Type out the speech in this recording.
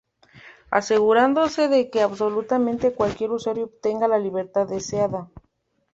Asegurándose de que absolutamente cualquier usuario obtenga la libertad deseada.